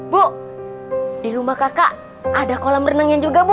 bu di rumah kakak ada kolam renangnya juga bu